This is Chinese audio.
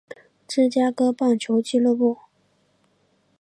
芝加哥棒球俱乐部。